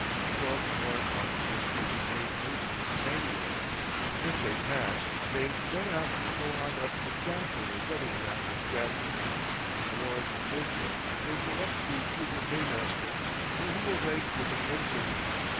Twelve warrant officers may be made ensigns annually. If they pass, they thereafter go on up exactly as any Annapolis graduate. A warrant pay clerk may go up to be junior paymaster, where he will rank with an ensign.